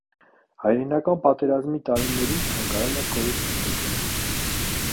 Հայրենական պատերազմի տարիներին թանգարանը կորուստներ է կրել։